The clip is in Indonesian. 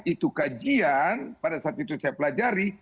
itu kajian pada saat itu saya pelajari